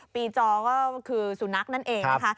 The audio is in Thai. จอก็คือสุนัขนั่นเองนะคะ